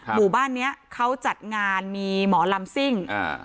หมู่บ้านเนี้ยเขาจัดงานมีหมอลำซิ่งอ่า